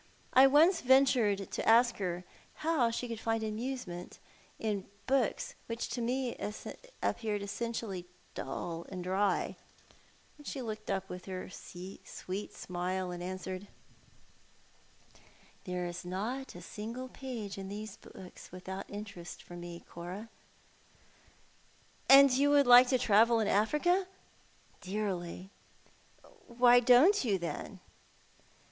I once ventured to ask her how she could find enjoyment in books which to me appeared essentially dull and dry, and she looked up with her sweet smile, and answered —" There is not a single page in these books without interest for me, Cora." " And would you like to travel in Africa ?"" Dearly." " Why don't you, then